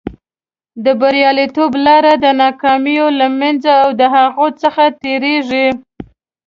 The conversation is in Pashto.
د بریالیتوب لاره د ناکامیو له منځه او د هغو څخه تېرېږي.